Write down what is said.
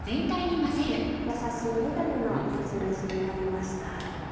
やさしい緑のすし飯になりました。